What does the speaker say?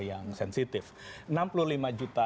yang sensitif enam puluh lima juta